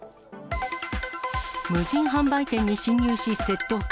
無人販売店に侵入し窃盗か。